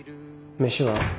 飯は？